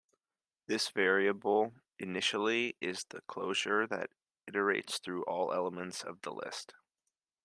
This variable initially is the closure that iterates through all elements of the list.